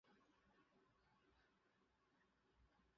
She was the first surfer to be awarded by the program.